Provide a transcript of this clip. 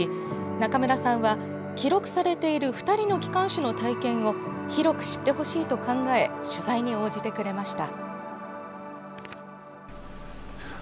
中村さんは、記録されている２人の機関手の体験を広く知ってほしいと考え取材に応じてくれました。